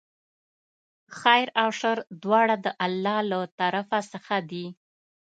خیر او شر دواړه د الله له طرفه څخه دي.